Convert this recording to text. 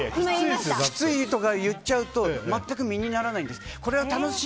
きつい！とか言っちゃうと全く身にならないんです。